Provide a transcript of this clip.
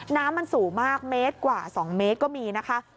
น้ำมันสูงมากเมตรกว่า๒เมตรก็มีนะคะ